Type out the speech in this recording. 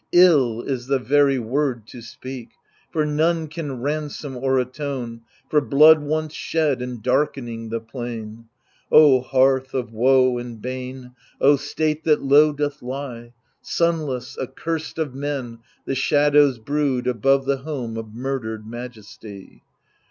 Ill is the very word to speak, for none Can ransom or atone For blood once shed and darkening the plain. O hearth of woe and bane, O state that low doth lie I Sunless, accursed of men, the shadows brood Above the home of murdered majesty.